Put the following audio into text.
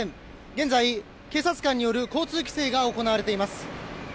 現在、警察官による交通規制が行われています。